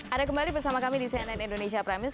ada kembali bersama kami di cnn indonesia prime news